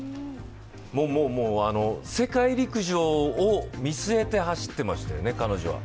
もう、世界陸上を見据えて走っていましたよね、彼女は。